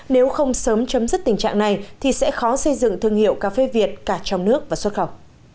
nếu không sớm chấm dứt tình trạng này thì sẽ khó xây dựng thương hiệu cà phê việt cả trong nước và xuất khẩu